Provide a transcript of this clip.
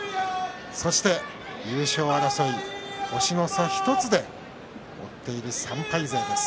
そして優勝争い、星の差１つで追っている３敗勢です。